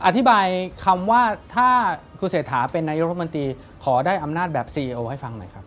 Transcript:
อธิบายคำว่าถ้าคุณเศรษฐาเป็นนายกรัฐมนตรีขอได้อำนาจแบบซีโอให้ฟังหน่อยครับ